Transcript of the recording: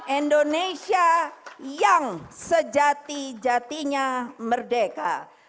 indonesia yang sejati jatinya merdeka